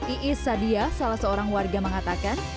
i i sadia salah seorang warga mengatakan